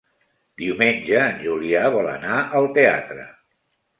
Diumenge en Julià vol anar al teatre.